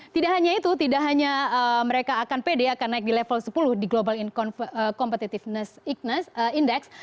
tidak hanya itu tidak hanya mereka akan pede akan naik di level sepuluh di global competitiveness igness index